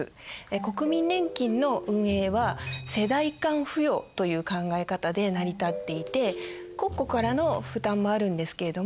国民年金の運営は世代間扶養という考え方で成り立っていて国庫からの負担もあるんですけれども